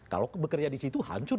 kalau bekerja di situ hancur